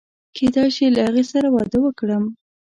کېدای شي له هغې سره واده وکړم.